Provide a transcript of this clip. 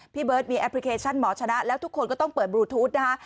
เบิร์ตมีแอปพลิเคชันหมอชนะแล้วทุกคนก็ต้องเปิดบลูทูธนะคะ